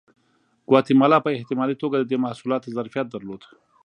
ګواتیمالا په احتمالي توګه د دې محصولاتو ظرفیت درلود.